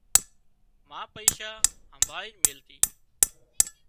ما پئيشا همڀاۯينَ ميليتي